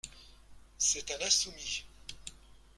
C'est un insoumis.